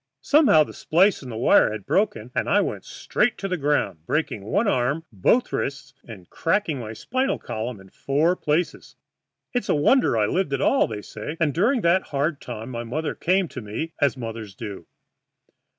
Somehow that splice in the wire had broken, and I went straight to the ground, breaking one arm, both wrists, and cracking my spinal column in four places. It's a wonder I lived at all, they say, and during that hard time my mother came to me, as mothers do.